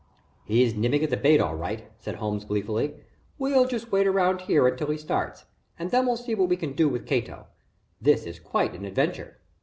"He's nibbling the bait all right," said Holmes, gleefully. "We'll just wait around here until he starts, and then we'll see what we can do with Cato. This is quite an adventure."